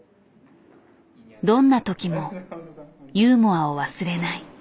どんな時もユーモアを忘れない。